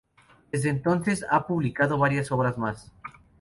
Desde entonces ha publicado varias obras más.